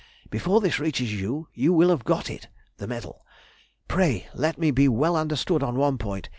Before this reaches you, you will have got it [the medal]. Pray let me be well understood on one point.